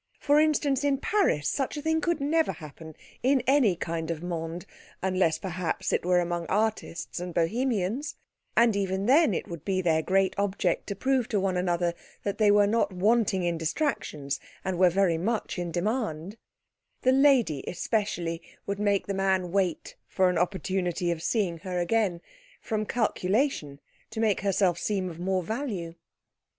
For instance, in Paris such a thing could never happen in any kind of monde, unless, perhaps, it were among artists and Bohemians; and even then it would be their great object to prove to one another that they were not wanting in distractions and were very much in demand; the lady, especially, would make the man wait for an opportunity of seeing her again, from calculation, to make herself seem of more value.